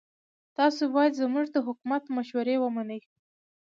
تاسو باید زموږ د حکومت مشورې ومنئ.